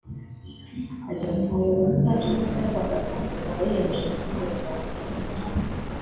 Agira ati “Umuyobozi uzaca inzoga y’abagabo azaba yiyemeje ruswa ubwo tuzamusezerera